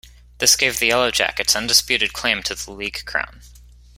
This gave the Yellow Jackets undisputed claim to the league crown.